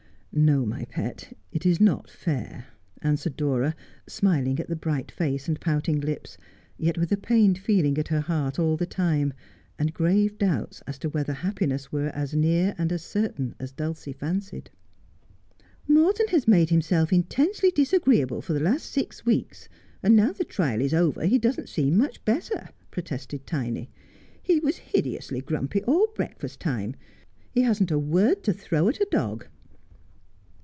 ' No, my pet. It is not fair,' answered Dora, smiling at the bright face and pouting lips, yet with a pained feeling at her heart all the time, and grave doubt as to whether happiness were as near and as certain as Dulcie fancied. ' Mortou has made himself intensely disagreeable for the last six weeks, and now the trial is over he doesn't seem much better,' protested Tiny. ' He was hideously grumpy all breakfast time. He hadn't a word to throw at a dog.'